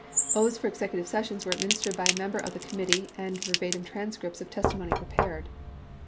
Oaths for executive sessions were administered by a member of the committee and verbatim transcriptions of testimony prepared.